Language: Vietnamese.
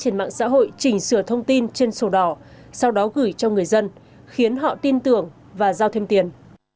trên mạng xã hội chỉnh sửa thông tin trên sổ đỏ sau đó gửi cho người dân khiến họ tin tưởng và giao thêm tiền